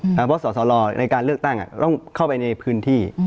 เพราะสอสลในการเลือกตั้งต้องเข้าไปในพื้นที่